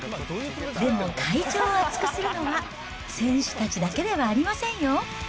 でも会場を熱くするのは、選手たちだけではありませんよ。